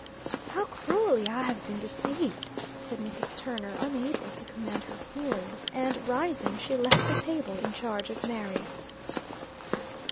"How cruelly I have been deceived!" said Mrs. Turner, unable to command her feelings; and rising, she left the table in charge of Mary.